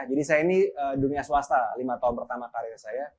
jadi saya ini dunia swasta lima tahun pertama karir saya